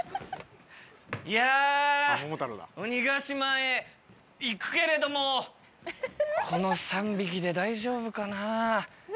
いや鬼ヶ島へ行くけれどもこの３匹で大丈夫かな？